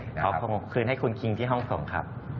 ขอคืนให้คุณคิงที่ห้องส่งครับ